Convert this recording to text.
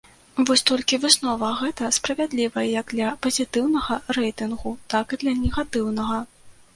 Вось толькі выснова гэта справядлівая як для пазітыўнага рэйтынгу, так і для негатыўнага.